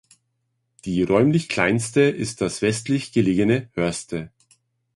Die räumlich kleinste ist das westlich gelegene Hörste.